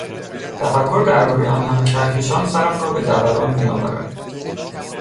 تفکر دربارهی آن همه کهکشان سرم را به دوران میآورد.